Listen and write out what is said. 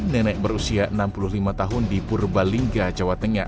nenek berusia enam puluh lima tahun di purbalingga jawa tengah